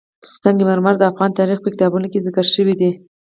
سنگ مرمر د افغان تاریخ په کتابونو کې ذکر شوی دي.